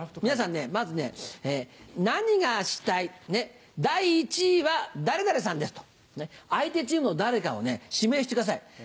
皆さんまず「何がしたい第１位は誰々さんです」と相手チームの誰かを指名してください。